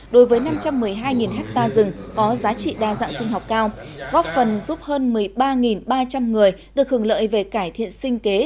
đối với năm trăm một mươi hai ha rừng có giá trị đa dạng sinh học cao góp phần giúp hơn một mươi ba ba trăm linh người được hưởng lợi về cải thiện sinh kế